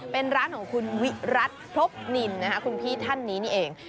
เป็นร้านของคุณวิรัติพรบนินนะคะคุณพี่ท่านนี้นี่เอง